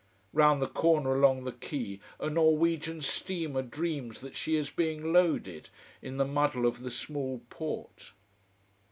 Round the corner along the quay a Norwegian steamer dreams that she is being loaded, in the muddle of the small port.